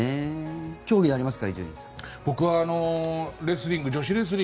競技、ありますか？